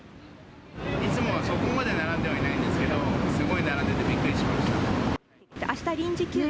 いつもはそこまで並んではいないんですけど、すごい並んでてあした臨時休業。